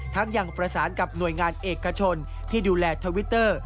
ยังประสานกับหน่วยงานเอกชนที่ดูแลทวิตเตอร์